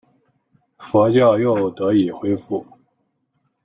佛教又得以恢复。